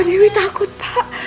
pak bapak dewi takut pak